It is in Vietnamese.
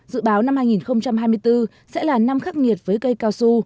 dự báo năm hai nghìn hai mươi bốn sẽ là năm khắc nghiệt với cây cao su